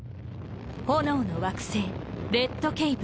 炎の惑星レッドケイブ。